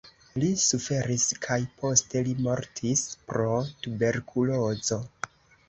Li suferis kaj poste li mortis pro tuberkulozo.